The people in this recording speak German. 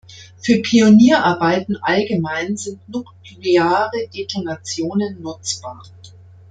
Für Pionierarbeiten allgemein sind nukleare Detonationen nutzbar.